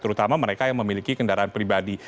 terutama mereka yang memiliki kendaraan pribadi